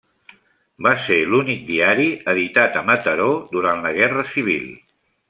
Va ser l'únic diari editat a Mataró durant la Guerra Civil.